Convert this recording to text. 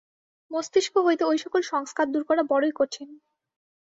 মস্তিষ্ক হইতে ঐ-সকল সংস্কার দূর করা বড়ই কঠিন।